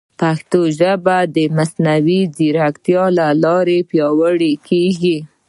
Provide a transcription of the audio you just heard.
پښتو ژبه د مصنوعي ځیرکتیا له لارې پیاوړې کیږي.